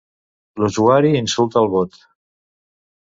L'usuari insulta el bot.